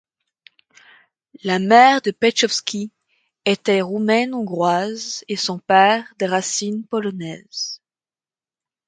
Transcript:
La mère de Petschovschi était roumaine-hongroise et son père des racines polonaises.